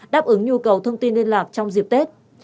đáp ứng nhu cầu thông tin liên lạc trong dịp tết